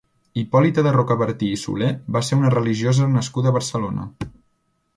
Hipòlita de Rocabertí i Soler va ser una religiosa nascuda a Barcelona.